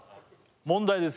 問題です